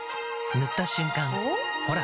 塗った瞬間おっ？